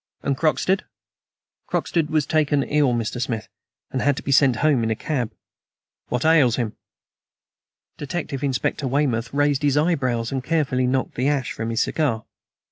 "And Croxted?" "Croxted was taken ill, Mr. Smith, and had to be sent home in a cab." "What ails him?" Detective Inspector Weymouth raised his eyebrows and carefully knocked the ash from his cigar.